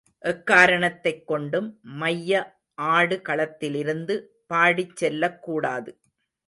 எக்காரணத்தைக் கொண்டும், மைய ஆடு களத்திலிருந்து பாடிச் செல்லக்கூடாது.